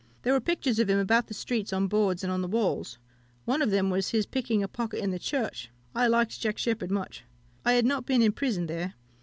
There were pictures of him about the streets on boards and on the walls; one of them was his picking a pocket in the church. I liked Jack Sheppard much. I had not been in prison there.